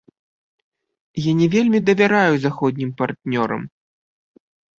Я не вельмі давяраю заходнім партнёрам.